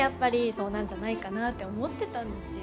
そうなんじゃないかなって思ってたんですよ。